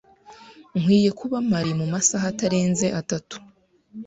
Nkwiye kuba mpari mumasaha atarenze atatu.